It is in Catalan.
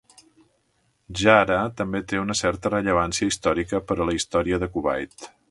Jahra també té una certa rellevància històrica per a la història de Kuwait.